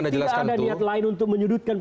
tidak ada niat lain untuk menyudutkan